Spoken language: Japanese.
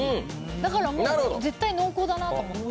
だから絶対濃厚だなと思って。